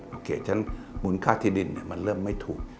ฉะนั้นมูลค่าที่ดินมันเริ่มไม่ถูก